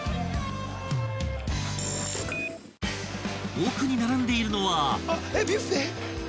［奥に並んでいるのは］